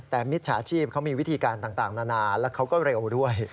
แต่มิจฉาชีพเขามีวิธีการต่างนานาแล้วเขาก็เร็วด้วย